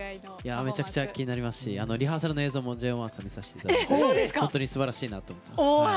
めちゃくちゃ気になりますしリハーサルの映像もＪＯ１さんの見させていただいて本当にすばらしいなと。